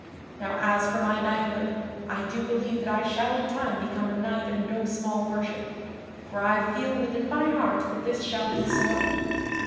Now as for my knighthood, I do believe that I shall in time become a knight of no small worship, for I feel within my heart that this shall be so.